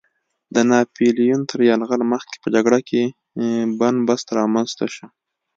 د ناپیلیون تر یرغل مخکې په جګړه کې بن بست رامنځته شو.